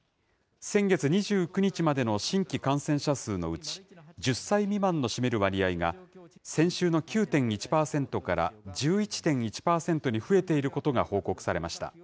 先月２９日までの新規感染者数のうち、１０歳未満の占める割合が、先週の９．１％から、１１．１％に増えていることが報告されました。